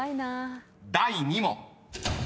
［第２問］